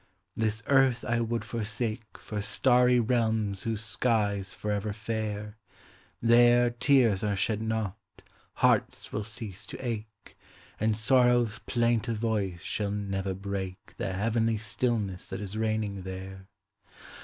This earth I would forsake For starry realms whose sky's forever fair; There, tears are shed not, hearts will cease to ache, And sorrow's plaintive voice shall never break The heavenly stillness that is reigning there.